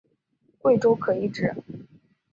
贵州可以指